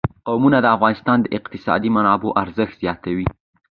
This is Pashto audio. قومونه د افغانستان د اقتصادي منابعو ارزښت زیاتوي.